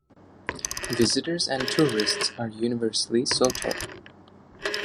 Visitors and tourists are universally "soto".